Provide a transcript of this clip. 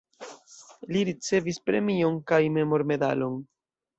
Li ricevis premion kaj memormedalon.